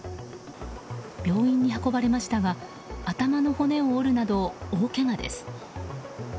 病院に運ばれましたが頭の骨を折るなど大けがです。